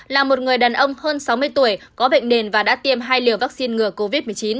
là một người đàn ông hơn sáu mươi tuổi có bệnh nền và đã tiêm hai liều vaccine ngừa covid một mươi chín